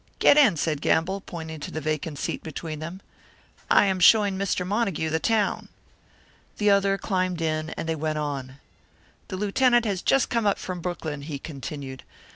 "Get in," said Gamble, pointing to the vacant seat between them. "I am showing Mr. Montague the town." The other climbed in, and they went on. "The Lieutenant has just come up from Brooklyn," he continued.